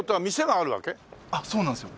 そうなんですよ。